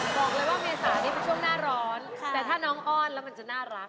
บอกเลยว่าเมษานี้เป็นช่วงหน้าร้อนแต่ถ้าน้องอ้อนแล้วมันจะน่ารัก